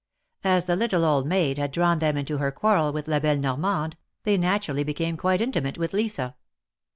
As the little old maid had drawn them into her quarrel with La belle Normande, they naturally became quite intimate with Lisa.